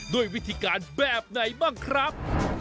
ด้วยวิธีการแบบไหนบ้างครับ